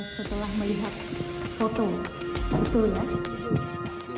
setelah melihat foto betul ya